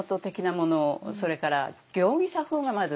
それから行儀作法がまず学べる。